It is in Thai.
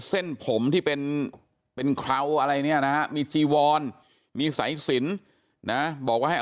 เส้นผมที่เป็นเขาอะไรเนี้ยนะมีจีวอลมีสายสินนะบอกว่าให้